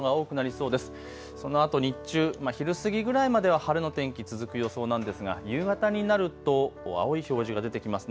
そのあと日中、昼過ぎぐらいまでは晴れの天気、続く予想なんですが夕方になると青い表示が出てきます。